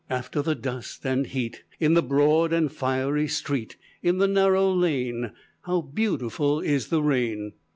After the dust and heat, In the broad and fiery street, In the narrow lane, How beautiful is the rain!